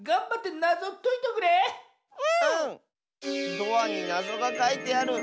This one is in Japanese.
ドアになぞがかいてある！